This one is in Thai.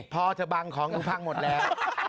พอเถบังของลุ่มพังหมดแล้ว